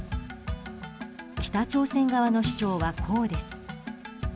北朝鮮側の主張はこうです。